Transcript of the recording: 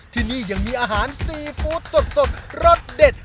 ที่นี่ยังมีอาหารซีฟู้ดสดรสเด็ด